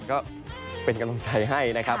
ก็เป็นกำลังใจให้นะครับ